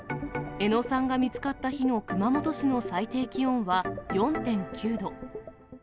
江野さんが見つかった日の熊本市の最低気温は４．９度。